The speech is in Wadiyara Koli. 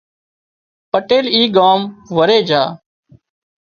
پٽيل اي ڳام وري جھا